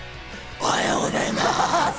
おはようございます。